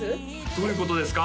どういうことですか？